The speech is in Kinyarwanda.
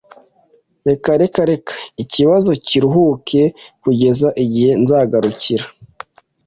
Reka Reka ikibazo kiruhuke kugeza igihe nzagarukira.